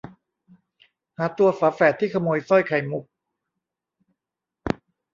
หาตัวฝาแฝดที่ขโมยสร้อยไข่มุก